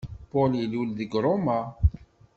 Paul ilul deg Roma.